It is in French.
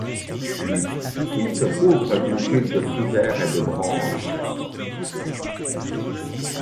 Il se couvre d'une jupe de fougères et de branches.